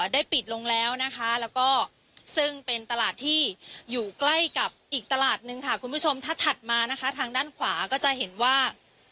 ได้ปิดลงแล้วนะคะแล้วก็ซึ่งเป็นตลาดที่อยู่ใกล้กับอีกตลาดนึงค่ะคุณผู้ชมถ้าถัดมานะคะทางด้านขวาก็จะเห็นว่า